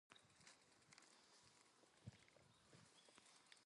Many of his pictures remain with private collectors.